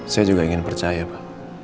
saya juga ingin percaya